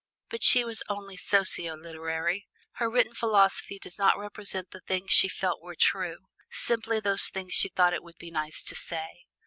But she was only socio literary. Her written philosophy does not represent the things she felt were true simply those things she thought it would be nice to say.